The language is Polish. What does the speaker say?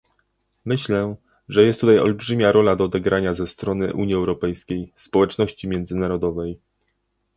Myślę, że jest tutaj olbrzymia rola do odegrania ze strony Unii Europejskiej, społeczności międzynarodowej